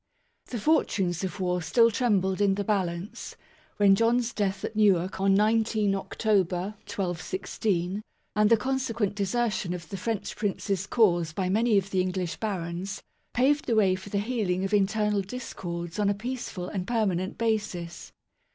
The fortunes of war still trembled in the balance, when John's death at Newark on 19 October, 1216, and the consequent desertion of the French Prince's cause by many of the English barons, paved the way for the healing of internal discords on a peaceful and permanent basis.